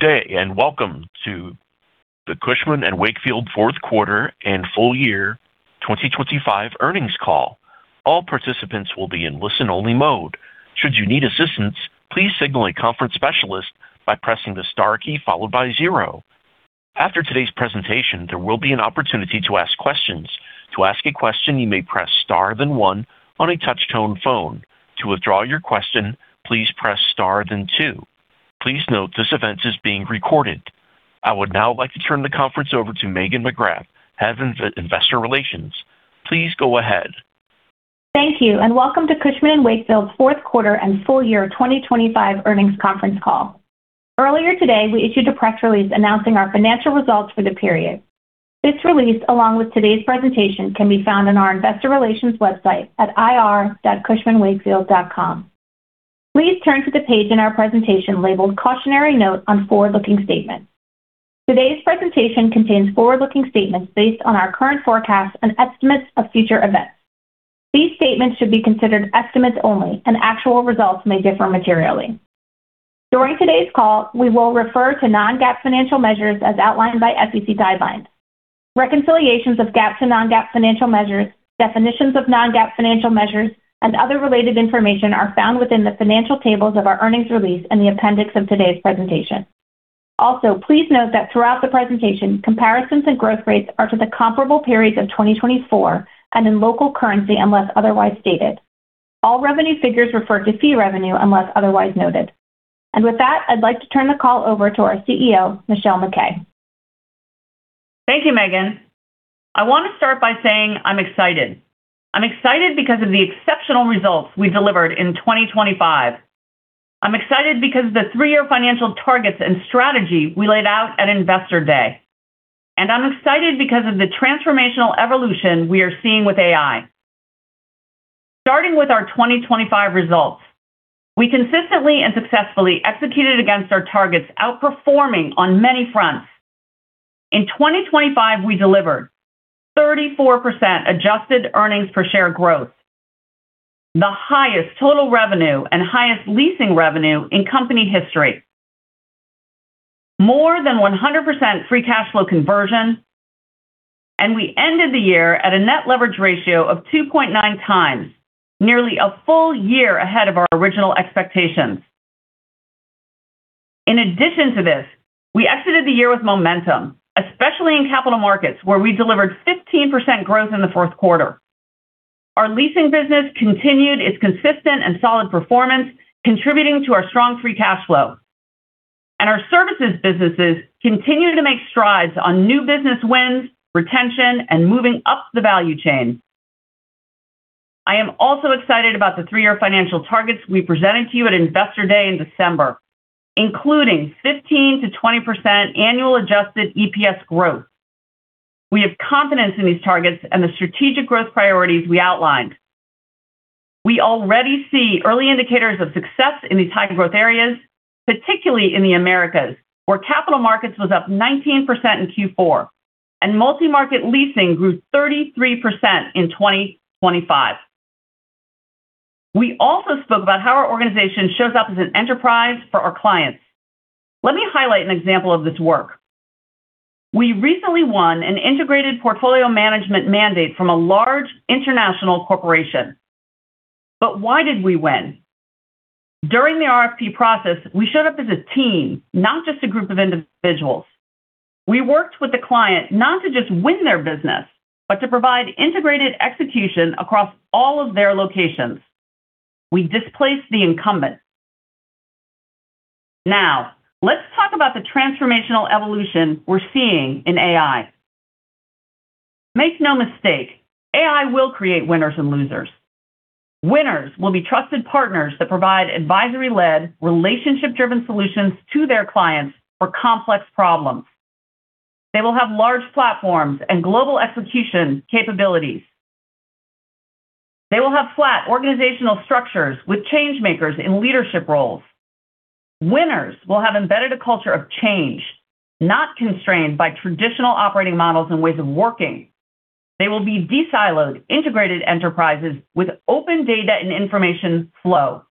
Good day, and welcome to the Cushman & Wakefield fourth quarter and full year 2025 earnings call. All participants will be in listen-only mode. Should you need assistance, please signal a conference specialist by pressing the star key followed by zero. After today's presentation, there will be an opportunity to ask questions. To ask a question, you may press star then one on a touch-tone phone. To withdraw your question, please press star then two. Please note, this event is being recorded. I would now like to turn the conference over to Megan McGrath, head of Investor Relations. Please go ahead. Thank you, and welcome to Cushman & Wakefield's fourth quarter and full year 2025 earnings conference call. Earlier today, we issued a press release announcing our financial results for the period. This release, along with today's presentation, can be found on our investor relations website at ir.cushmanwakefield.com. Please turn to the page in our presentation labeled Cautionary Note on Forward-Looking Statements. Today's presentation contains forward-looking statements based on our current forecasts and estimates of future events. These statements should be considered estimates only, and actual results may differ materially. During today's call, we will refer to non-GAAP financial measures as outlined by SEC guidelines. Reconciliations of GAAP to non-GAAP financial measures, definitions of non-GAAP financial measures, and other related information are found within the financial tables of our earnings release in the appendix of today's presentation. Also, please note that throughout the presentation, comparisons and growth rates are to the comparable periods of 2024 and in local currency, unless otherwise stated. All revenue figures refer to fee revenue, unless otherwise noted. With that, I'd like to turn the call over to our CEO, Michelle MacKay. Thank you, Megan. I want to start by saying I'm excited. I'm excited because of the exceptional results we delivered in 2025. I'm excited because of the three-year financial targets and strategy we laid out at Investor Day. I'm excited because of the transformational evolution we are seeing with AI. Starting with our 2025 results, we consistently and successfully executed against our targets, outperforming on many fronts. In 2025, we delivered 34% adjusted earnings per share growth, the highest total revenue and highest leasing revenue in company history, more than 100% free cash flow conversion, and we ended the year at a net leverage ratio of 2.9 times, nearly a full year ahead of our original expectations. In addition to this, we exited the year with momentum, especially in capital markets, where we delivered 15% growth in the fourth quarter. Our leasing business continued its consistent and solid performance, contributing to our strong free cash flow. Our services businesses continue to make strides on new business wins, retention, and moving up the value chain. I am also excited about the three-year financial targets we presented to you at Investor Day in December, including 15%-20% annual adjusted EPS growth. We have confidence in these targets and the strategic growth priorities we outlined. We already see early indicators of success in these high growth areas, particularly in the Americas, where capital markets was up 19% in Q4, and multi-market leasing grew 33% in 2025. We also spoke about how our organization shows up as an enterprise for our clients. Let me highlight an example of this work. We recently won an integrated portfolio management mandate from a large international corporation. But why did we win? During the RFP process, we showed up as a team, not just a group of individuals. We worked with the client not to just win their business, but to provide integrated execution across all of their locations. We displaced the incumbent. Now, let's talk about the transformational evolution we're seeing in AI. Make no mistake, AI will create winners and losers. Winners will be trusted partners that provide advisory-led, relationship-driven solutions to their clients for complex problems. They will have large platforms and global execution capabilities. They will have flat organizational structures with change makers in leadership roles. Winners will have embedded a culture of change, not constrained by traditional operating models and ways of working. They will be de-siloed, integrated enterprises with open data and information flow.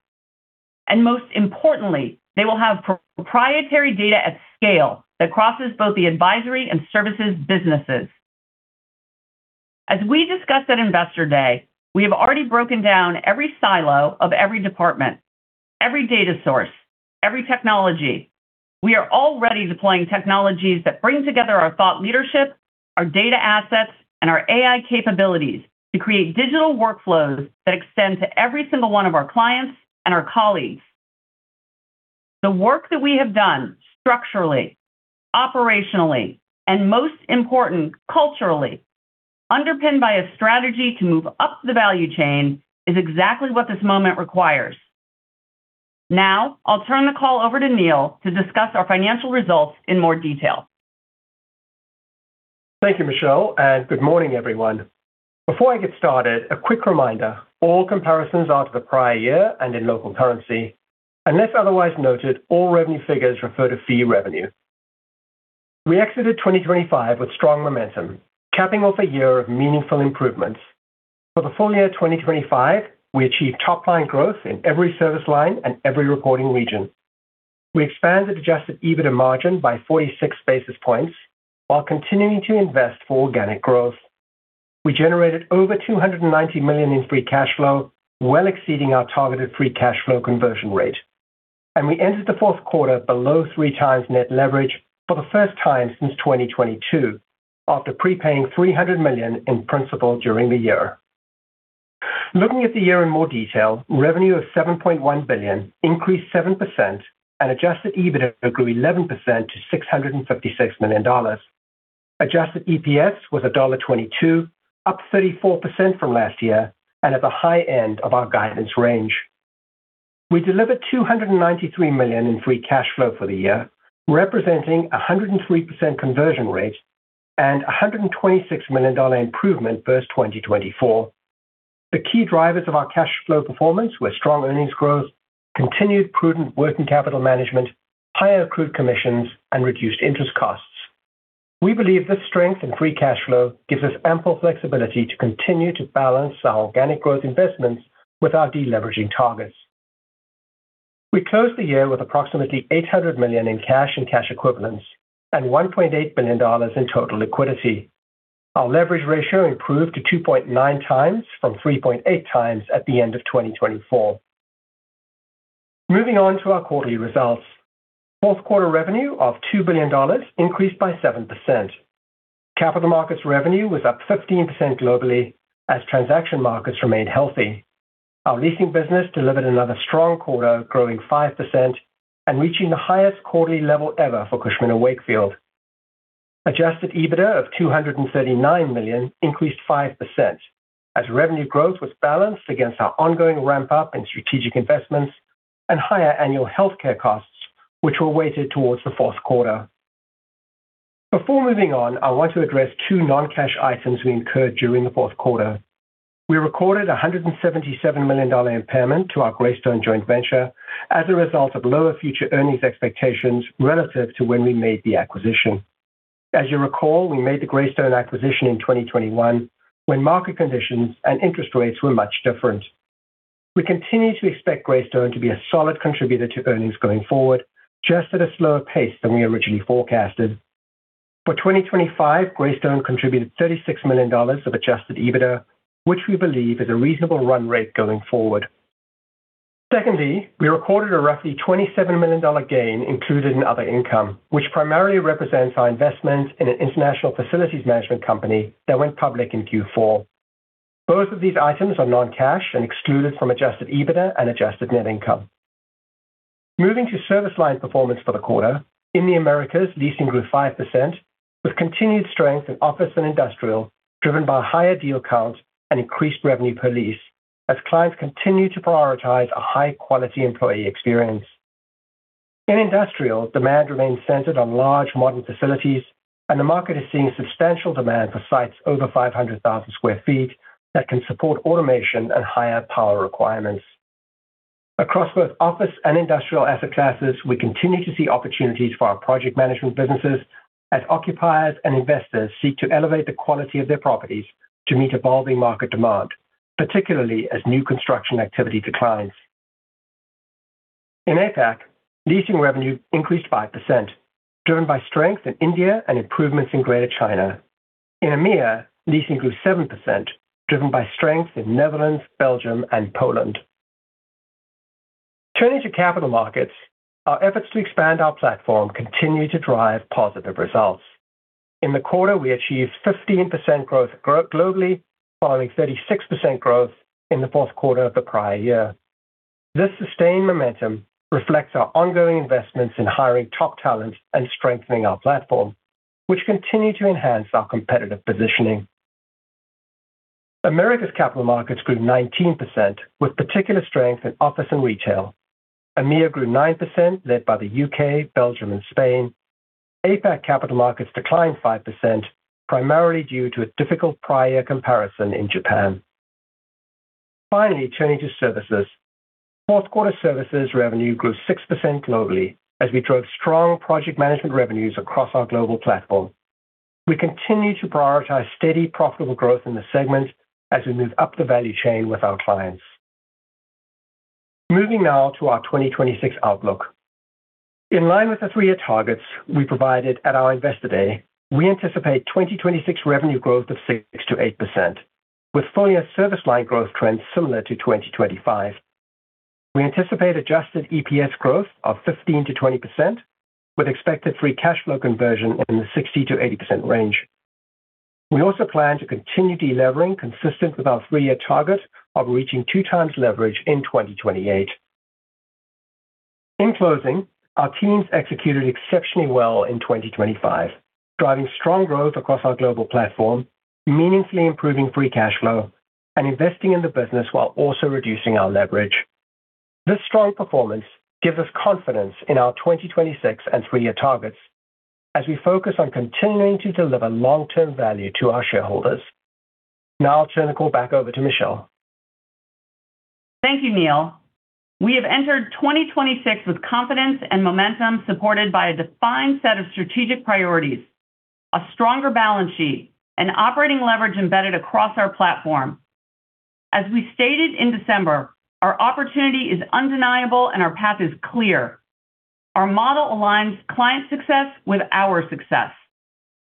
And most importantly, they will have proprietary data at scale that crosses both the advisory and services businesses. As we discussed at Investor Day, we have already broken down every silo of every department, every data source, every technology. We are already deploying technologies that bring together our thought leadership, our data assets, and our AI capabilities to create digital workflows that extend to every single one of our clients and our colleagues. The work that we have done structurally, operationally, and most important, culturally, underpinned by a strategy to move up the value chain, is exactly what this moment requires. Now, I'll turn the call over to Neil to discuss our financial results in more detail. Thank you, Michelle, and good morning, everyone. Before I get started, a quick reminder, all comparisons are to the prior year and in local currency. Unless otherwise noted, all revenue figures refer to fee revenue.... We exited 2025 with strong momentum, capping off a year of meaningful improvements. For the full year 2025, we achieved top-line growth in every service line and every reporting region. We expanded Adjusted EBITDA margin by 46 basis points while continuing to invest for organic growth. We generated over $290 million in free cash flow, well exceeding our targeted free cash flow conversion rate. We entered the fourth quarter below 3x net leverage for the first time since 2022, after prepaying $300 million in principal during the year. Looking at the year in more detail, revenue of $7.1 billion increased 7% and Adjusted EBITDA grew 11% to $656 million. Adjusted EPS was $1.22, up 34% from last year and at the high end of our guidance range. We delivered $293 million in free cash flow for the year, representing a 103% conversion rate and a $126 million improvement versus 2024. The key drivers of our cash flow performance were strong earnings growth, continued prudent working capital management, higher accrued commissions, and reduced interest costs. We believe this strength in free cash flow gives us ample flexibility to continue to balance our organic growth investments with our deleveraging targets. We closed the year with approximately $800 million in cash and cash equivalents, and $1.8 billion in total liquidity. Our leverage ratio improved to 2.9 times from 3.8 times at the end of 2024. Moving on to our quarterly results. Fourth quarter revenue of $2 billion increased by 7%. Capital Markets revenue was up 15% globally as transaction markets remained healthy. Our leasing business delivered another strong quarter, growing 5% and reaching the highest quarterly level ever for Cushman & Wakefield. Adjusted EBITDA of $239 million increased 5%, as revenue growth was balanced against our ongoing ramp-up in strategic investments and higher annual healthcare costs, which were weighted towards the fourth quarter. Before moving on, I want to address two non-cash items we incurred during the fourth quarter. We recorded a $177 million impairment to our Greystone joint venture as a result of lower future earnings expectations relative to when we made the acquisition. As you recall, we made the Greystone acquisition in 2021, when market conditions and interest rates were much different. We continue to expect Greystone to be a solid contributor to earnings going forward, just at a slower pace than we originally forecasted. For 2025, Greystone contributed $36 million of adjusted EBITDA, which we believe is a reasonable run rate going forward. Secondly, we recorded a roughly $27 million gain included in other income, which primarily represents our investment in an international facilities management company that went public in Q4. Both of these items are non-cash and excluded from adjusted EBITDA and adjusted net income. Moving to service line performance for the quarter, in the Americas, leasing grew 5%, with continued strength in office and industrial, driven by higher deal count and increased revenue per lease as clients continue to prioritize a high-quality employee experience. In industrial, demand remains centered on large, modern facilities, and the market is seeing substantial demand for sites over 500,000 sq ft that can support automation and higher power requirements. Across both office and industrial asset classes, we continue to see opportunities for our project management businesses as occupiers and investors seek to elevate the quality of their properties to meet evolving market demand, particularly as new construction activity declines. In APAC, leasing revenue increased 5%, driven by strength in India and improvements in Greater China. In EMEA, leasing grew 7%, driven by strength in Netherlands, Belgium, and Poland. Turning to Capital Markets, our efforts to expand our platform continue to drive positive results. In the quarter, we achieved 15% growth globally, following 36% growth in the fourth quarter of the prior year. This sustained momentum reflects our ongoing investments in hiring top talent and strengthening our platform, which continue to enhance our competitive positioning. Americas Capital Markets grew 19%, with particular strength in office and retail. EMEA grew 9%, led by the U.K., Belgium, and Spain. APAC Capital Markets declined 5%, primarily due to a difficult prior comparison in Japan. Finally, turning to Services. Fourth quarter Services revenue grew 6% globally as we drove strong project management revenues across our global platform. We continue to prioritize steady, profitable growth in the segment as we move up the value chain with our clients. Moving now to our 2026 outlook. In line with the three year targets we provided at our Investor Day, we anticipate 2026 revenue growth of 6%-8%, with full-year service line growth trends similar to 2025. We anticipate adjusted EPS growth of 15%-20%, with expected free cash flow conversion in the 60%-80% range. We also plan to continue delevering, consistent with our three year target of reaching 2x leverage in 2028. In closing, our teams executed exceptionally well in 2025, driving strong growth across our global platform, meaningfully improving free cash flow, and investing in the business while also reducing our leverage. This strong performance gives us confidence in our 2026 and 3-year targets as we focus on continuing to deliver long-term value to our shareholders. Now I'll turn the call back over to Michelle.... Thank you, Neil. We have entered 2026 with confidence and momentum, supported by a defined set of strategic priorities, a stronger balance sheet, and operating leverage embedded across our platform. As we stated in December, our opportunity is undeniable and our path is clear. Our model aligns client success with our success,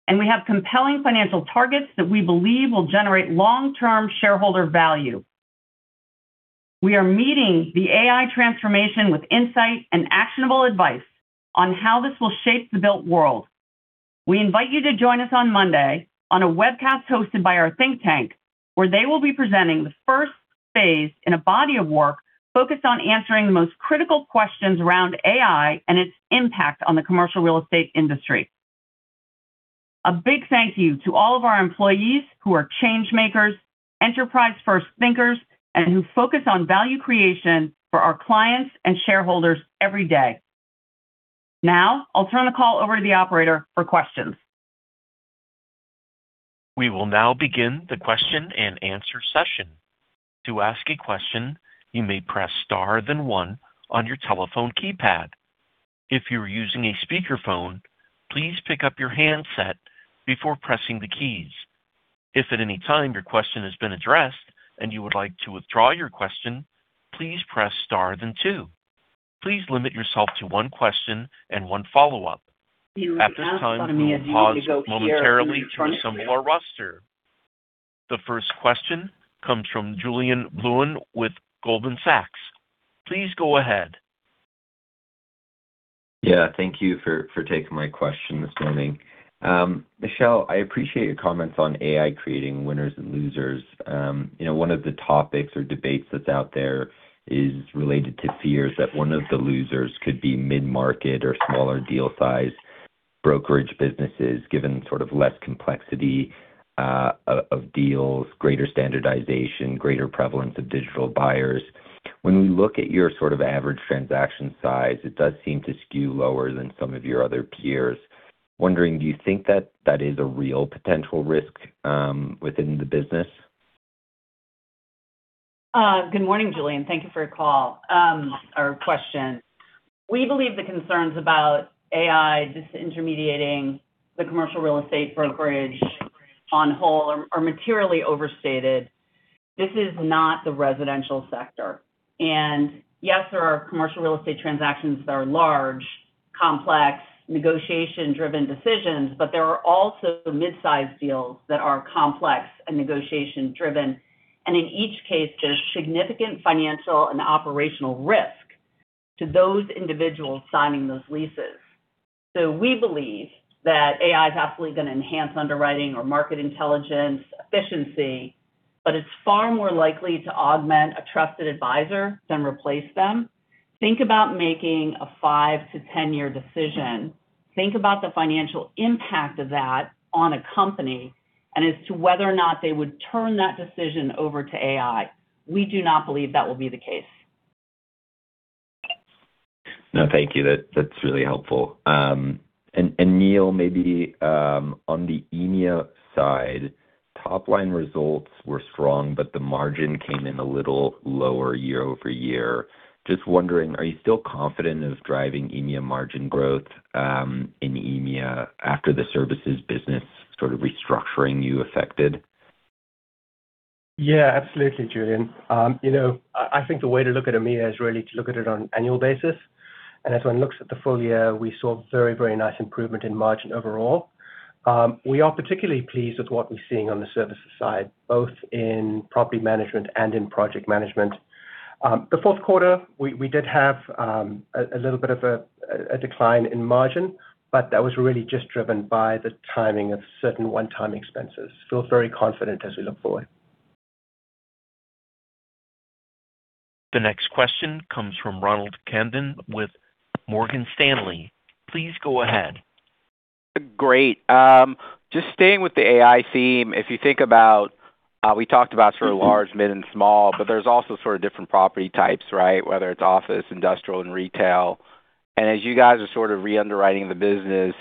and we have compelling financial targets that we believe will generate long-term shareholder value. We are meeting the AI transformation with insight and actionable advice on how this will shape the built world. We invite you to join us on Monday on a webcast hosted by our think tank, where they will be presenting the first phase in a body of work focused on answering the most critical questions around AI and its impact on the commercial real estate industry. A big thank you to all of our employees who are change makers, enterprise-first thinkers, and who focus on value creation for our clients and shareholders every day. Now, I'll turn the call over to the operator for questions. We will now begin the question-and-answer session. To ask a question, you may press star, then one on your telephone keypad. If you're using a speakerphone, please pick up your handset before pressing the keys. If at any time your question has been addressed and you would like to withdraw your question, please press star, then two. Please limit yourself to one question and one follow-up. At this time, we will pause momentarily for some of our roster. The first question comes from Julien Blouin with Goldman Sachs. Please go ahead. Yeah, thank you for taking my question this morning. Michelle, I appreciate your comments on AI creating winners and losers. You know, one of the topics or debates that's out there is related to fears that one of the losers could be mid-market or smaller deal size, brokerage businesses, given sort of less complexity of deals, greater standardization, greater prevalence of digital buyers. When we look at your sort of average transaction size, it does seem to skew lower than some of your other peers. Wondering, do you think that that is a real potential risk within the business? Good morning, Julien. Thank you for your call, or question. We believe the concerns about AI disintermediating the commercial real estate brokerage on whole are materially overstated. This is not the residential sector, and yes, there are commercial real estate transactions that are large, complex, negotiation-driven decisions, but there are also mid-sized deals that are complex and negotiation-driven, and in each case, there's significant financial and operational risk to those individuals signing those leases. So we believe that AI is absolutely going to enhance underwriting or market intelligence efficiency, but it's far more likely to augment a trusted advisor than replace them. Think about making a 5-10-year decision. Think about the financial impact of that on a company, and as to whether or not they would turn that decision over to AI. We do not believe that will be the case. No, thank you. That, that's really helpful. Neil, maybe on the EMEA side, top-line results were strong, but the margin came in a little lower year-over-year. Just wondering, are you still confident of driving EMEA margin growth in EMEA after the services business sort of restructuring you affected? Yeah, absolutely, Julien. You know, I think the way to look at EMEA is really to look at it on an annual basis. And as one looks at the full year, we saw very, very nice improvement in margin overall. We are particularly pleased with what we're seeing on the services side, both in property management and in project management. The fourth quarter, we did have a little bit of a decline in margin, but that was really just driven by the timing of certain one-time expenses. Feel very confident as we look forward. The next question comes from Ronald Kamdem with Morgan Stanley. Please go ahead. Great. Just staying with the AI theme, if you think about, we talked about sort of large, mid, and small, but there's also sort of different property types, right? Whether it's office, industrial, and retail. And as you guys are sort of re-underwriting the business,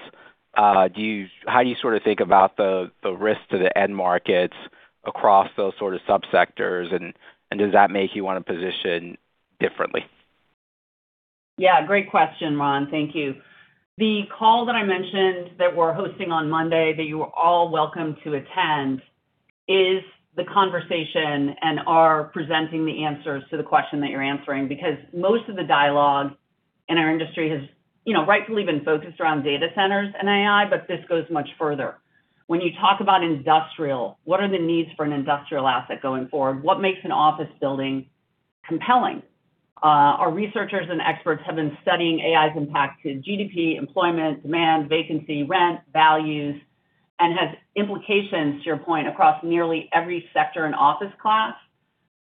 how do you sort of think about the risks to the end markets across those sort of subsectors, and does that make you want to position differently? Yeah, great question, Ron. Thank you. The call that I mentioned that we're hosting on Monday, that you are all welcome to attend, is the conversation and are presenting the answers to the question that you're answering, because most of the dialogue in our industry has, you know, rightfully been focused around data centers and AI, but this goes much further. When you talk about industrial, what are the needs for an industrial asset going forward? What makes an office building compelling? Our researchers and experts have been studying AI's impact to GDP, employment, demand, vacancy, rent, values, and has implications, to your point, across nearly every sector and office class.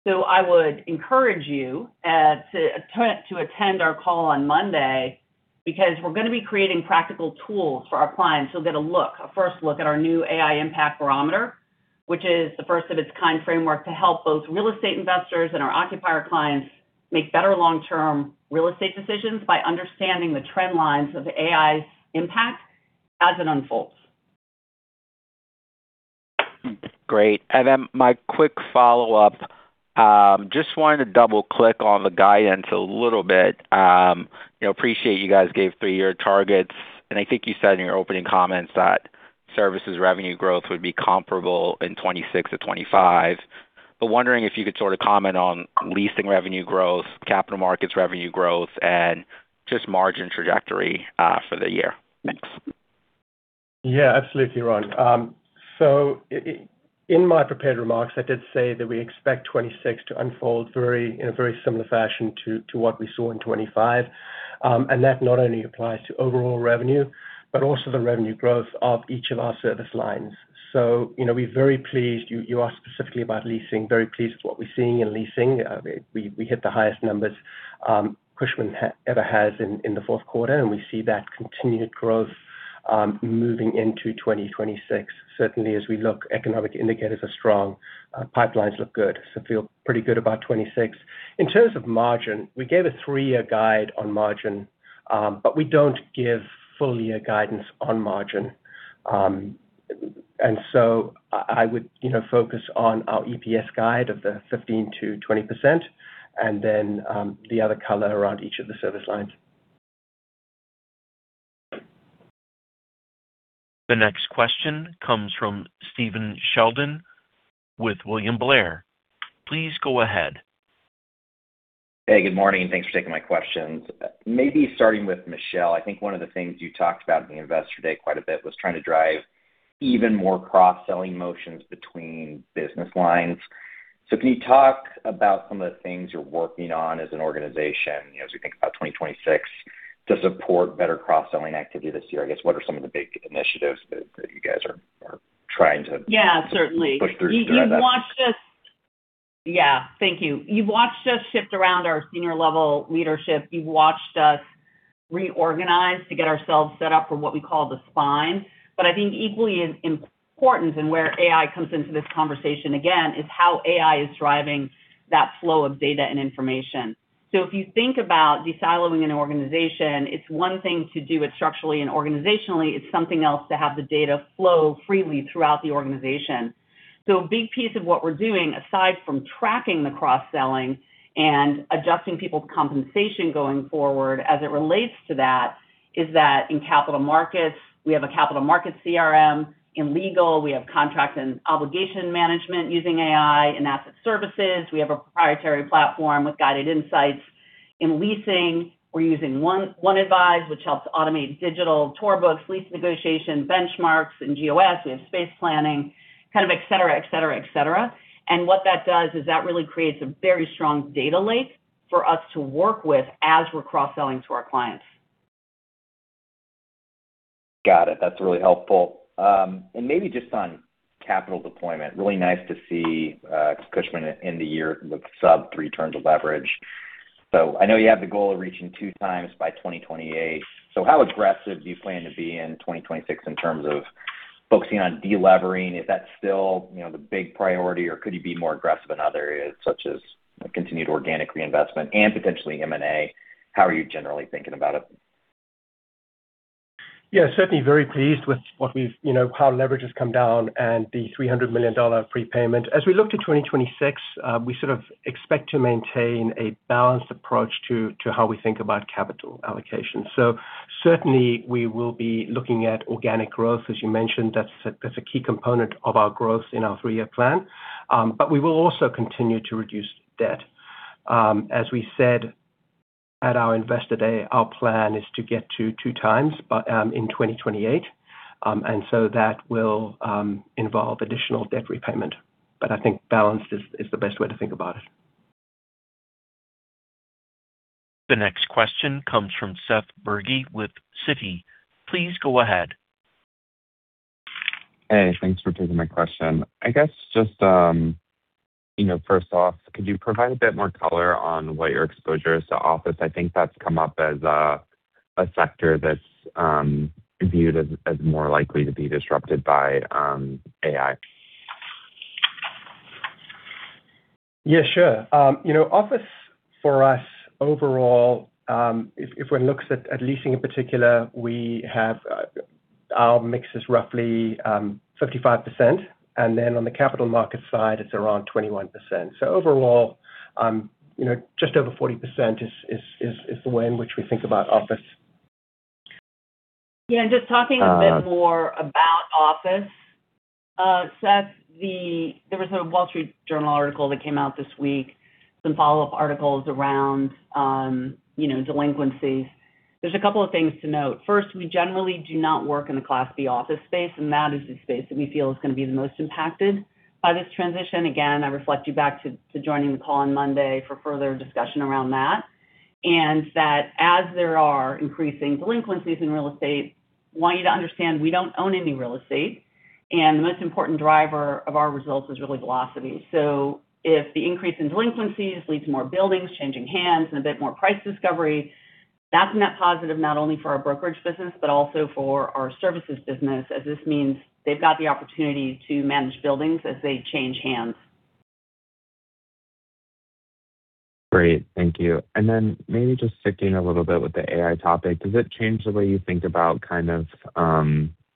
So I would encourage you to attend our call on Monday, because we're going to be creating practical tools for our clients. You'll get a look, a first look at our new AI Impact Barometer, which is the first of its kind framework to help both real estate investors and our occupier clients make better long-term real estate decisions by understanding the trend lines of AI's impact as it unfolds. ... Great. Then my quick follow-up, just wanted to double-click on the guidance a little bit. You know, appreciate you guys gave three-year targets, and I think you said in your opening comments that services revenue growth would be comparable in 2026-2025. But wondering if you could sort of comment on leasing revenue growth, capital markets revenue growth, and just margin trajectory for the year. Thanks. Yeah, absolutely, Ron. In my prepared remarks, I did say that we expect 26 to unfold in a very similar fashion to what we saw in 25. That not only applies to overall revenue, but also the revenue growth of each of our service lines. You know, we're very pleased. You asked specifically about leasing. Very pleased with what we're seeing in leasing. We hit the highest numbers Cushman ever has in the fourth quarter, and we see that continued growth moving into 2026. Certainly, as we look, economic indicators are strong, pipelines look good, so feel pretty good about 26. In terms of margin, we gave a three-year guide on margin, but we don't give full year guidance on margin. And so I would, you know, focus on our EPS guide of 15%-20% and then the other color around each of the service lines. The next question comes from Stephen Sheldon with William Blair. Please go ahead. Hey, good morning, and thanks for taking my questions. Maybe starting with Michelle. I think one of the things you talked about in the Investor Day quite a bit was trying to drive even more cross-selling motions between business lines. So can you talk about some of the things you're working on as an organization, you know, as we think about 2026, to support better cross-selling activity this year? I guess, what are some of the big initiatives that you guys are trying to- Yeah, certainly. Push through? You've watched us... Yeah. Thank you. You've watched us shift around our senior level leadership. You've watched us reorganize to get ourselves set up for what we call the spine. But I think equally as important, and where AI comes into this conversation again, is how AI is driving that flow of data and information. So if you think about desiloing an organization, it's one thing to do it structurally and organizationally, it's something else to have the data flow freely throughout the organization. So a big piece of what we're doing, aside from tracking the cross-selling and adjusting people's compensation going forward as it relates to that, is that in capital markets, we have a capital market CRM. In legal, we have contract and obligation management using AI. In asset services, we have a proprietary platform with guided insights. In leasing, we're using One, One Advise, which helps automate digital tour books, lease negotiation, benchmarks. In GOS, we have space planning, kind of et cetera, et cetera, et cetera. And what that does is that really creates a very strong data lake for us to work with as we're cross-selling to our clients. Got it. That's really helpful. And maybe just on capital deployment, really nice to see, Cushman end the year with sub-3 turns of leverage. So I know you have the goal of reaching 2x by 2028. So how aggressive do you plan to be in 2026 in terms of focusing on delevering? Is that still, you know, the big priority, or could you be more aggressive in other areas, such as continued organic reinvestment and potentially M&A? How are you generally thinking about it? Yeah, certainly very pleased with what we've, you know, how leverage has come down and the $300 million prepayment. As we look to 2026, we sort of expect to maintain a balanced approach to how we think about capital allocation. So certainly we will be looking at organic growth. As you mentioned, that's a key component of our growth in our three-year plan. But we will also continue to reduce debt. As we said at our Investor Day, our plan is to get to 2x, but in 2028. And so that will involve additional debt repayment, but I think balanced is the best way to think about it. The next question comes from Seth Bergey with Citi. Please go ahead. Hey, thanks for taking my question. I guess just, you know, first off, could you provide a bit more color on what your exposure is to office? I think that's come up as a sector that's viewed as more likely to be disrupted by AI. Yeah, sure. You know, office for us overall, if one looks at leasing in particular, we have our mix is roughly 55%, and then on the capital market side, it's around 21%. So overall, you know, just over 40% is the way in which we think about office. Yeah, and just talking- Uh. A bit more about office. Seth, there was a Wall Street Journal article that came out this week, some follow-up articles around, you know, delinquencies. There's a couple of things to note. First, we generally do not work in the Class B office space, and that is the space that we feel is going to be the most impacted by this transition. Again, I reflect you back to joining the call on Monday for further discussion around that. And that as there are increasing delinquencies in real estate, I want you to understand we don't own any real estate, and the most important driver of our results is really velocity. So if the increase in delinquencies leads to more buildings changing hands and a bit more price discovery, that's a net positive, not only for our brokerage business, but also for our services business, as this means they've got the opportunity to manage buildings as they change hands.... Great. Thank you. And then maybe just sticking a little bit with the AI topic, does it change the way you think about kind of,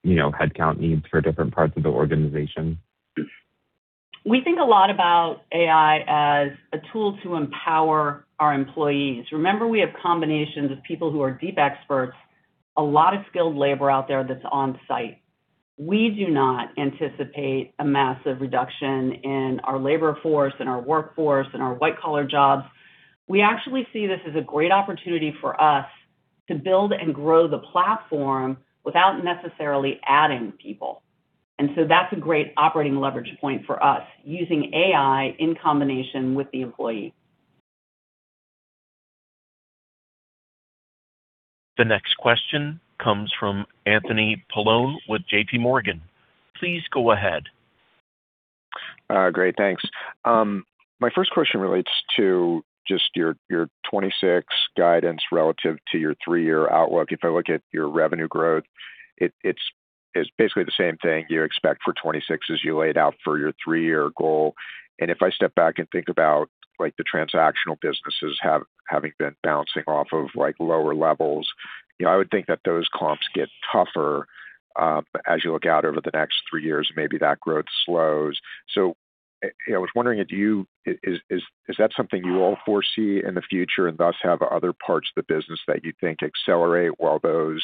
you know, headcount needs for different parts of the organization? We think a lot about AI as a tool to empower our employees. Remember, we have combinations of people who are deep experts, a lot of skilled labor out there that's on site. We do not anticipate a massive reduction in our labor force, in our workforce, in our white-collar jobs. We actually see this as a great opportunity for us to build and grow the platform without necessarily adding people. And so that's a great operating leverage point for us, using AI in combination with the employee. The next question comes from Anthony Paolone with JPMorgan. Please go ahead. Great, thanks. My first question relates to just your 2026 guidance relative to your three-year outlook. If I look at your revenue growth, it's basically the same thing you expect for 2026 as you laid out for your three-year goal. And if I step back and think about, like, the transactional businesses having been bouncing off of, like, lower levels, you know, I would think that those comps get tougher, as you look out over the next three years, maybe that growth slows. So I was wondering if you—is that something you all foresee in the future, and thus have other parts of the business that you think accelerate while those,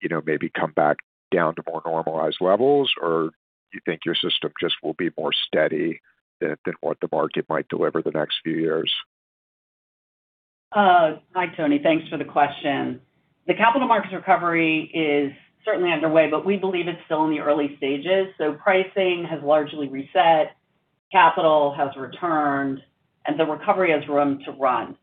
you know, maybe come back down to more normalized levels? Or you think your system just will be more steady than what the market might deliver the next few years? Hi, Tony. Thanks for the question. The Capital Markets recovery is certainly underway, but we believe it's still in the early stages, so pricing has largely reset, capital has returned, and the recovery has room to run.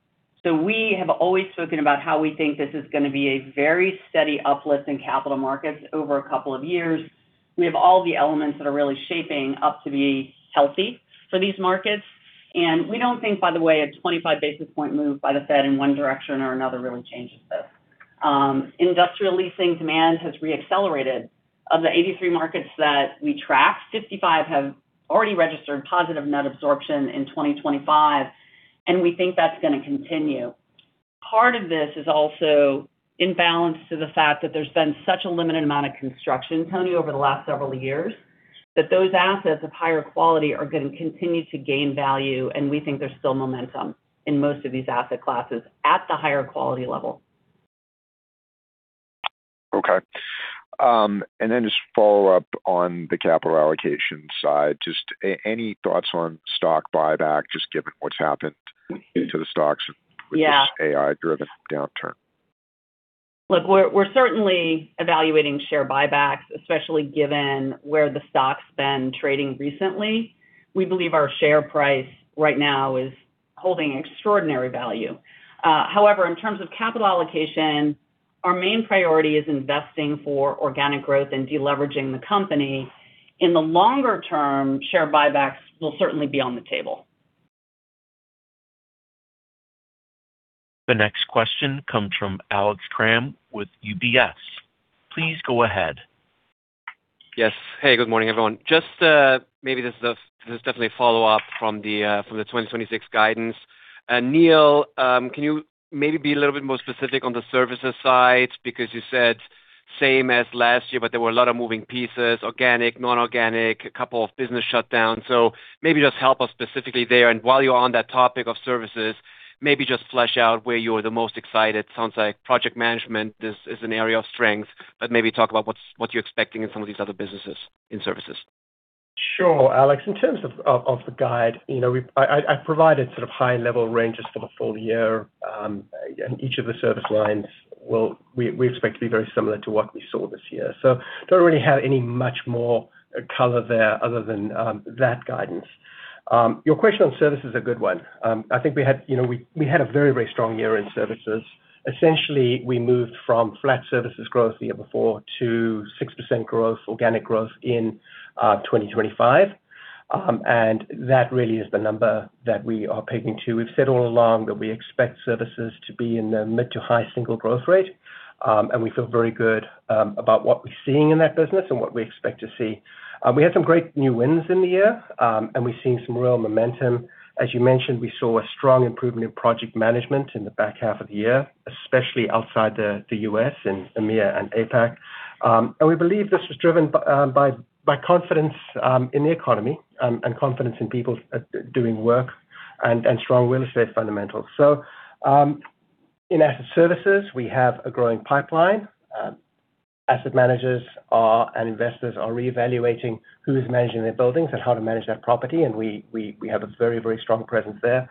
So we have always spoken about how we think this is gonna be a very steady uplift in Capital Markets over a couple of years. We have all the elements that are really shaping up to be healthy for these markets, and we don't think, by the way, a 25 basis point move by the Fed in one direction or another really changes this. Industrial leasing demand has reaccelerated. Of the 83 markets that we track, 55 have already registered positive Net Absorption in 2025, and we think that's gonna continue. Part of this is also in balance to the fact that there's been such a limited amount of construction, Tony, over the last several years, that those assets of higher quality are going to continue to gain value, and we think there's still momentum in most of these asset classes at the higher quality level. Okay. And then just follow up on the capital allocation side, just any thoughts on stock buyback, just given what's happened to the stocks? Yeah. - with this AI-driven downturn? Look, we're, we're certainly evaluating share buybacks, especially given where the stock's been trading recently. We believe our share price right now is holding extraordinary value. However, in terms of capital allocation, our main priority is investing for organic growth and deleveraging the company. In the longer term, share buybacks will certainly be on the table. The next question comes from Alex Kramm with UBS. Please go ahead. Yes. Hey, good morning, everyone. Just maybe this is definitely a follow-up from the 2026 guidance. Neil, can you maybe be a little bit more specific on the services side? Because you said same as last year, but there were a lot of moving pieces, organic, non-organic, a couple of business shutdowns. So maybe just help us specifically there. And while you're on that topic of services, maybe just flesh out where you're the most excited. Sounds like project management is an area of strength, but maybe talk about what you're expecting in some of these other businesses in services. Sure, Alex. In terms of the guide, you know, I've provided sort of high-level ranges for the full year, and each of the service lines will—we expect to be very similar to what we saw this year. So don't really have any much more color there other than that guidance. Your question on services is a good one. I think we had, you know, we had a very, very strong year in services. Essentially, we moved from flat services growth the year before to 6% growth, organic growth in 2025. And that really is the number that we are pegging to. We've said all along that we expect services to be in the mid- to high-single growth rate, and we feel very good about what we're seeing in that business and what we expect to see. We had some great new wins in the year, and we've seen some real momentum. As you mentioned, we saw a strong improvement in project management in the back half of the year, especially outside the U.S., in EMEA and APAC. And we believe this was driven by confidence in the economy, and confidence in people doing work and strong real estate fundamentals. So, in asset services, we have a growing pipeline. Asset managers are, and investors are reevaluating who is managing their buildings and how to manage that property, and we have a very, very strong presence there.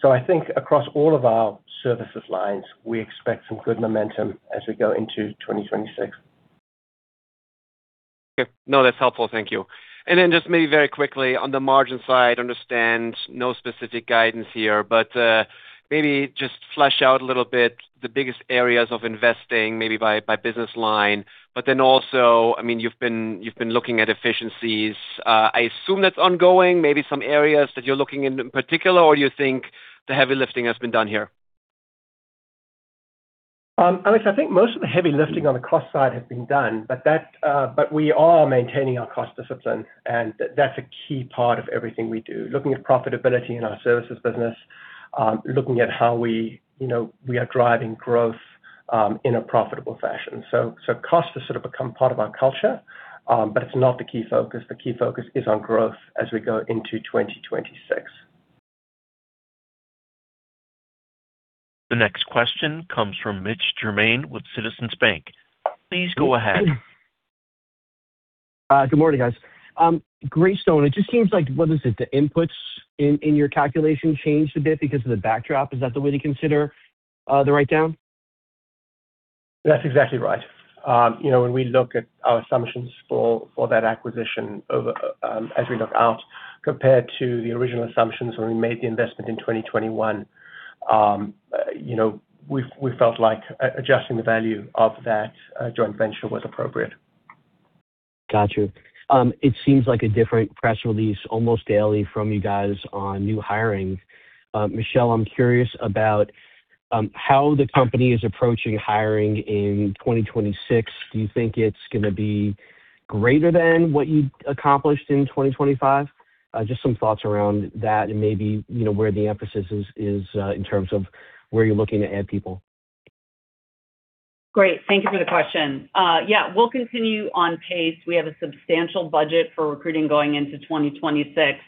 So I think across all of our service lines, we expect some good momentum as we go into 2026. Okay. No, that's helpful. Thank you. And then just maybe very quickly on the margin side, understand no specific guidance here, but maybe just flesh out a little bit the biggest areas of investing, maybe by business line. But then also, I mean, you've been looking at efficiencies. I assume that's ongoing, maybe some areas that you're looking in particular, or you think the heavy lifting has been done here?... Alex, I think most of the heavy lifting on the cost side has been done, but that, but we are maintaining our cost discipline, and that's a key part of everything we do. Looking at profitability in our services business, looking at how we, you know, we are driving growth, in a profitable fashion. So, so cost has sort of become part of our culture, but it's not the key focus. The key focus is on growth as we go into 2026. The next question comes from Mitch Germain with Citizens Bank. Please go ahead. Good morning, guys. Greystone, it just seems like, what is it? The inputs in your calculation changed a bit because of the backdrop. Is that the way to consider the write-down? That's exactly right. You know, when we look at our assumptions for that acquisition over, as we look out, compared to the original assumptions when we made the investment in 2021, you know, we felt like adjusting the value of that joint venture was appropriate. Got you. It seems like a different press release, almost daily from you guys on new hiring. Michelle, I'm curious about how the company is approaching hiring in 2026. Do you think it's going to be greater than what you accomplished in 2025? Just some thoughts around that and maybe, you know, where the emphasis is in terms of where you're looking to add people. Great. Thank you for the question. Yeah, we'll continue on pace. We have a substantial budget for recruiting going into 2026.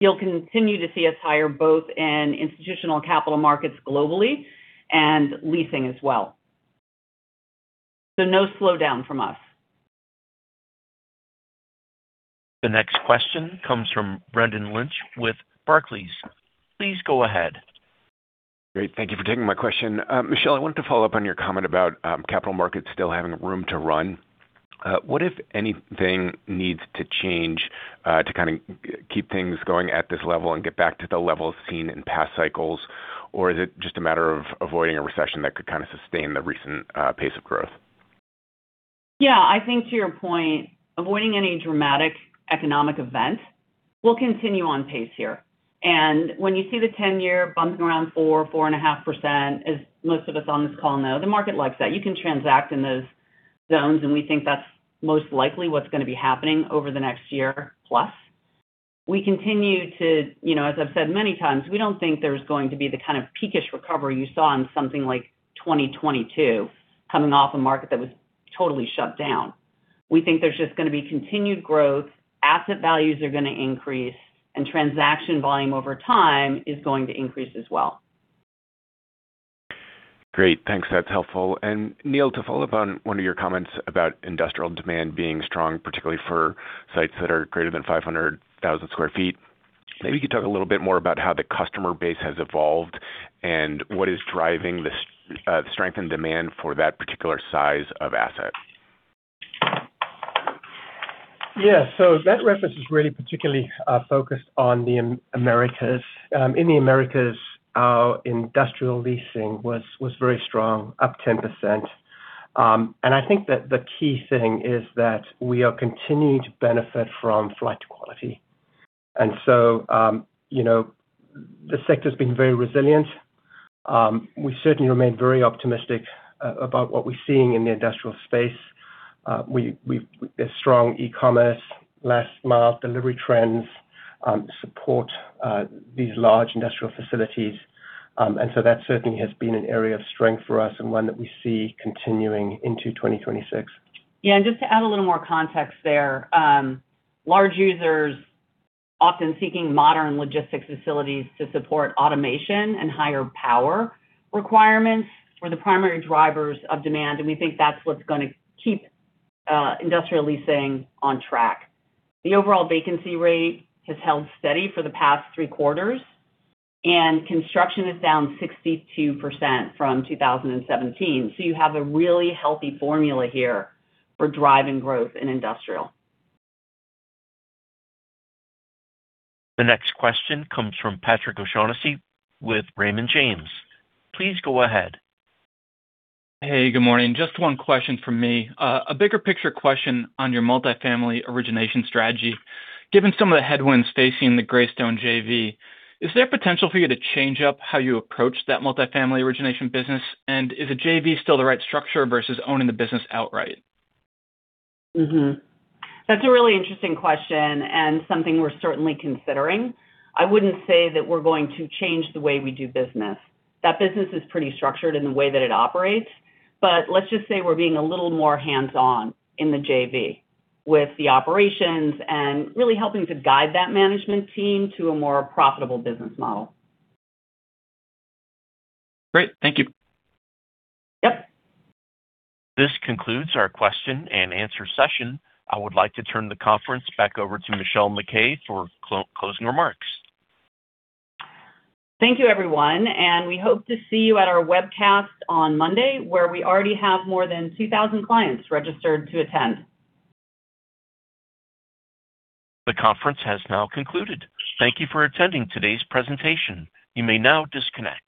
You'll continue to see us hire both in institutional capital markets globally and leasing as well. No slowdown from us. The next question comes from Brendan Lynch with Barclays. Please go ahead. Great. Thank you for taking my question. Michelle, I wanted to follow up on your comment about Capital Markets still having room to run. What, if anything, needs to change to kind of keep things going at this level and get back to the levels seen in past cycles? Or is it just a matter of avoiding a recession that could kind of sustain the recent pace of growth? Yeah, I think to your point, avoiding any dramatic economic event will continue on pace here. And when you see the 10-year bumping around 4%-4.5%, as most of us on this call know, the market likes that. You can transact in those zones, and we think that's most likely what's going to be happening over the next year-plus. We continue to... You know, as I've said many times, we don't think there's going to be the kind of peak-ish recovery you saw in something like 2022 coming off a market that was totally shut down. We think there's just going to be continued growth, asset values are going to increase, and transaction volume over time is going to increase as well. Great. Thanks. That's helpful. And Neil, to follow up on one of your comments about industrial demand being strong, particularly for sites that are greater than 500,000 sq ft, maybe you could talk a little bit more about how the customer base has evolved and what is driving the strength and demand for that particular size of asset. Yeah. So that reference is really particularly focused on the Americas. In the Americas, our industrial leasing was very strong, up 10%. And I think that the key thing is that we are continuing to benefit from flight quality. And so, you know, the sector has been very resilient. We certainly remain very optimistic about what we're seeing in the industrial space. There's strong e-commerce, last mile delivery trends support these large industrial facilities. And so that certainly has been an area of strength for us and one that we see continuing into 2026. Yeah, and just to add a little more context there, large users often seeking modern logistics facilities to support automation and higher power requirements were the primary drivers of demand, and we think that's what's going to keep industrial leasing on track. The overall vacancy rate has held steady for the past three quarters, and construction is down 62% from 2017. So you have a really healthy formula here for driving growth in industrial. The next question comes from Patrick O'Shaughnessy with Raymond James. Please go ahead. Hey, good morning. Just one question from me. A bigger picture question on your multifamily origination strategy. Given some of the headwinds facing the Greystone JV, is there potential for you to change up how you approach that multifamily origination business? And is a JV still the right structure versus owning the business outright? Mm-hmm. That's a really interesting question, and something we're certainly considering. I wouldn't say that we're going to change the way we do business. That business is pretty structured in the way that it operates, but let's just say we're being a little more hands-on in the JV with the operations and really helping to guide that management team to a more profitable business model. Great. Thank you. Yep. This concludes our question and answer session. I would like to turn the conference back over to Michelle MacKay for closing remarks. Thank you, everyone, and we hope to see you at our webcast on Monday, where we already have more than 2,000 clients registered to attend. The conference has now concluded. Thank you for attending today's presentation. You may now disconnect.